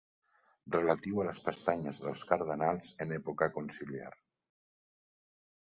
Relatiu a les pestanyes dels cardenals en època conciliar.